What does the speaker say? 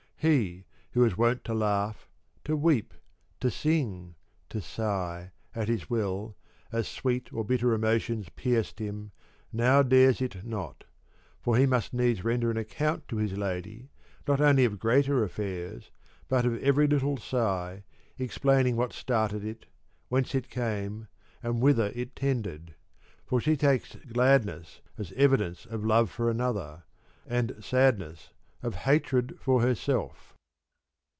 He, who was wont to laugh, to weep, to sing, to sigh, at his will, as sweet or bitter emotions pierced him, now dares it not ; for he must needs render an account to his lady not only of greater affairs but of every little sigh, explaining what started it, whence it came, and whither it tended; for she takes gladness as evidence of love for another, and sadness of hatred for herself.